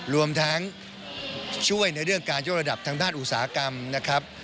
รวมทั้งช่วยในเรื่องการยกระดับทางด้านอุตสาหกรรมนะครับ